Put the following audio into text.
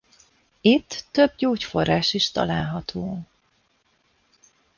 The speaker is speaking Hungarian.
Itt több gyógyforrás is található.